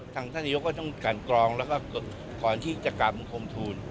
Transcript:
ท่านนายกก็ต้องกันกรองแล้วก็ก่อนที่จะกลับบังคมทูล